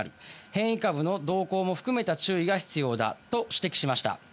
変異株の動向も含めた注意が必要だと指摘しました。